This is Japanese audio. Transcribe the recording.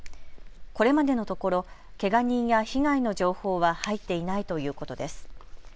これまでのところけが人や被害の情報は入っていないということです。